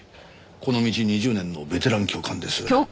この道２０年のベテラン教官です。